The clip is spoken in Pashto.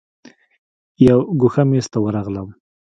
یو ګوښه میز ته ورغلم.